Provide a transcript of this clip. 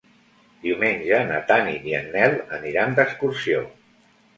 Diumenge na Tanit i en Nel aniran d'excursió.